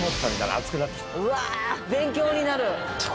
うわ勉強になる。